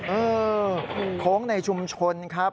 เออโค้งในชุมชนครับ